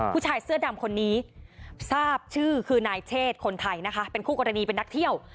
ผู้ชายเสื้อดำคนนี้ทราบชื่อคือนายเชศคนไทยนะคะเป็นคู่กรณีเป็นนักเที่ยว